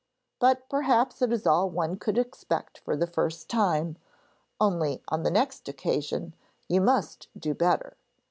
But perhaps it is all one could expect for the first time, only on the next occasion you must do better.